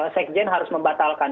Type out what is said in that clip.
sekjen harus membatalkan